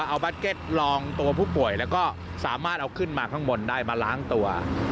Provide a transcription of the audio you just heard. เอาบาร์เก็ตลองตัวผู้ป่วยแล้วก็สามารถเอาขึ้นมาข้างบนได้มาล้างตัว